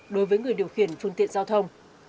đối với người điều khiển phương tiện giao thông